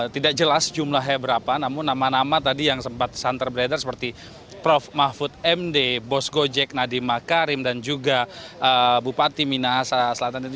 tidak jelas jumlahnya berapa namun nama nama tadi yang sempat santer beredar seperti prof mahfud md bos gojek nadiem makarim dan juga bupati minahasa selatan ini